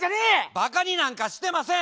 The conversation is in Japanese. バカになんかしてません！